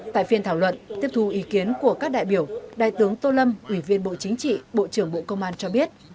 theo ý kiến của các đại biểu đại tướng tô lâm ủy viên bộ chính trị bộ trưởng bộ công an cho biết